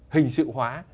hình sự hóa